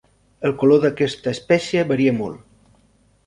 El color d'aquesta espècie varia molt.